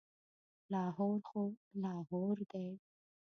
لاهور خو لاهور دی.